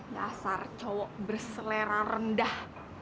dasar cowok berselera rendah